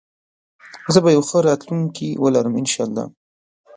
زه به يو ښه راتلونکي ولرم انشاالله